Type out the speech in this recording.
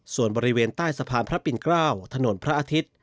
ส่วนบริเวณใต้สะพานพระปิ่นเกล้าถนนพระอาทิตย์